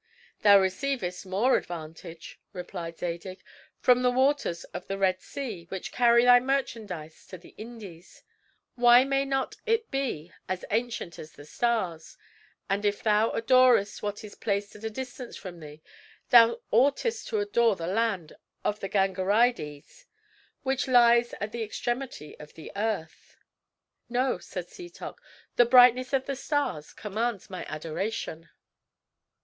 "Thou receivest more advantage," replied Zadig, "from the waters of the Red Sea, which carry thy merchandise to the Indies. Why may not it be as ancient as the stars? And if thou adorest what is placed at a distance from thee, thou oughtest to adore the land of the Gangarides, which lies at the extremity of the earth." "No," said Setoc, "the brightness of the stars commands my adoration."